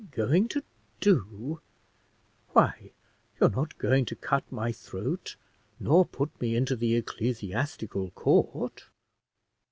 Going to do! Why, you're not going to cut my throat, nor put me into the Ecclesiastical Court!"